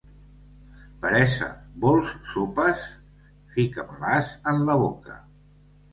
Peresa, vols sopes? —Fica-me-les en la boca.